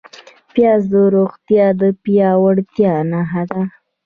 پیاز د روغتیا د پیاوړتیا نښه ده